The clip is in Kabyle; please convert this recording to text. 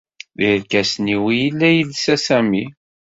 D irkasen-iw i yella yelsa Sami.